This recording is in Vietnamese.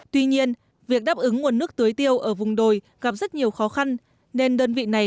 tuy nhiên việc đáp ứng nguồn nước tưới tiêu ở vùng đồi gặp rất nhiều khó khăn nên đơn vị này